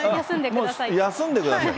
休んでください。